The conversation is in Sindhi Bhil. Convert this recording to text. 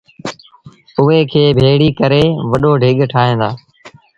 اُئي کي ڀيڙيٚ ڪري وڏو ڍڳ ٺائيٚݩ دآ۔